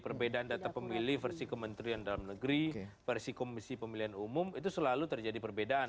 perbedaan data pemilih versi kementerian dalam negeri versi komisi pemilihan umum itu selalu terjadi perbedaan